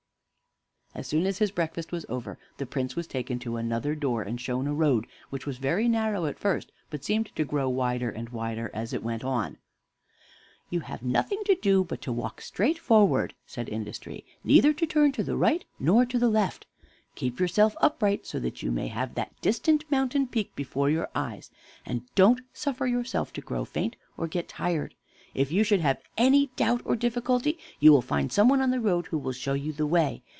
As soon as his breakfast was over, the Prince was taken to another door, and shown a road which was very narrow at first, but seemed to grow wider and wider as it went on. "You have nothing to do but to walk straight forward," said Industry, "neither to turn to the right nor to the left. Keep yourself upright, so that you may have that distant mountain peak before your eyes, and don't suffer yourself to grow faint or get tired. If you should have any doubt or difficulty, you will find some one on the road who will show you the way.